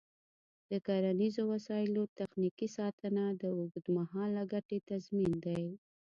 د کرنیزو وسایلو تخنیکي ساتنه د اوږدمهاله ګټې تضمین دی.